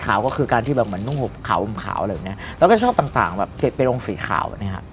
แล้วก็ชอบต่างแบบเป็นองค์สีขาวนะครับ